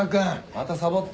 またサボって。